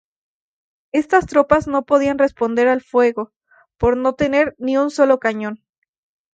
Estas tropas no podían responder al fuego por no tener ni un solo cañón.